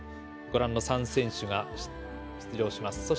ご覧の３選手が出場します。